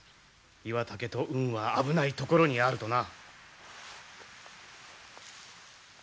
「岩茸と運は危ない所にある」とな。